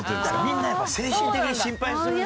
みんなやっぱ精神的心配するんだ。